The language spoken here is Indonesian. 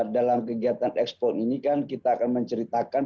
dalam kegiatan ekspor ini kan kita akan menceritakan